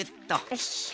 よいしょ。